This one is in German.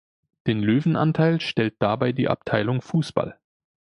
Den Löwenanteil stellt dabei die Abteilung Fußball.